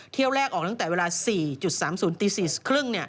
เที่ยวแรกออกตั้งแต่เวลา๔๓๐ตี๔๓๐